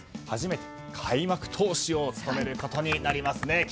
初めて開幕投手を務めることになりますね。